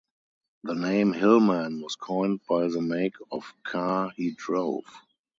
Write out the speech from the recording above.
The name "Hillman" was coined by the make of car he drove.